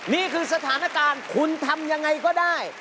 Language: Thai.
นี่คือสถานการณ์คุณทำยังไงก็ได้